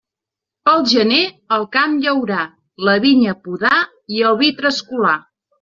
Pel gener, el camp llaurar, la vinya podar i el vi trascolar.